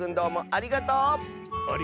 ありがとう！